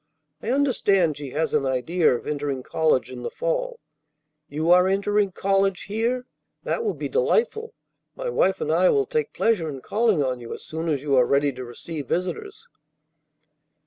I understand she has an idea of entering college in the fall. You are entering college here? That will be delightful. My wife and I will take pleasure in calling on you as soon as you are ready to receive visitors."